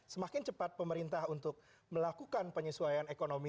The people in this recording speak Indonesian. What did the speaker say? semakin cepat pemerintah untuk melakukan penyesuaian ekonomi